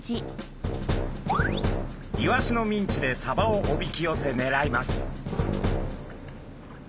イワシのミンチでサバをおびき寄せねらいます。